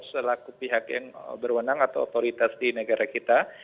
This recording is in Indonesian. selaku pihak yang berwenang atau otoritas di negara kita